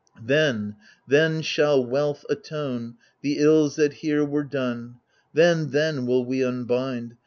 Then, then shall wealth atone The ills that here were done. Then, then will we unbind.